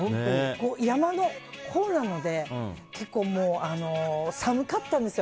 山のほうなので寒かったんですよ。